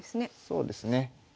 そうですね。